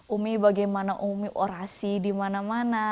umi bagaimana umi orasi di mana mana